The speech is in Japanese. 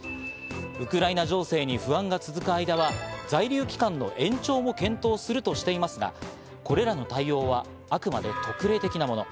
ウクライナ情勢に不安が続く間は在留期間の延長も検討するとしていますが、これらの対応はあくまで特例的なもの。